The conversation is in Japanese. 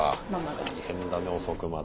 大変だね遅くまで。